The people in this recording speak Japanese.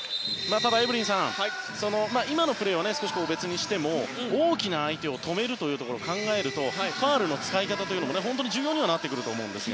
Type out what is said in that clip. ただエブリンさん、今のプレーは別にしても大きな相手を止めるということを考えるとファウルの使い方も本当に重要になりますね。